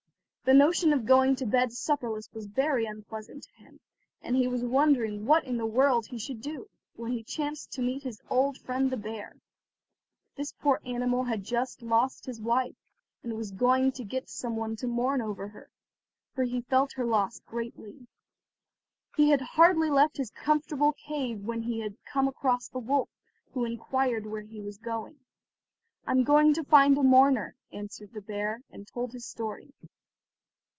The notion of going to bed supperless was very unpleasant to him, and he was wondering what in the world he should do, when he chanced to meet with his old friend the bear. This poor animal had just lost his wife, and was going to get some one to mourn over her, for he felt her loss greatly. He had hardly left his comfortable cave when he had come across the wolf, who inquired where he was going. "I am going to find a mourner," answered the bear, and told his story.